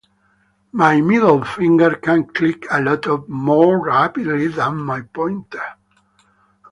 My middle finger can click a lot more rapidly than my pointer.